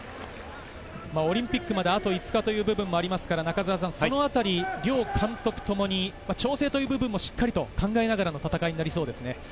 オリンピックまであと５日という部分もありますから、そのあたり両監督ともに、調整もしっかりと考えながらの戦いになりそうですね。